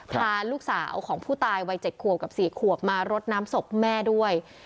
พาลูกสาวของผู้ตายวัย๗ขวบกับ๔ขวบมารดน้ำศพแม่ด้วย